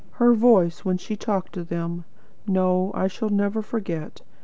Her voice when she talked to them? No, that I shall never forget.